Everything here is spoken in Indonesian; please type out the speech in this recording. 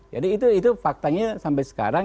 jadi itu faktanya sampai sekarang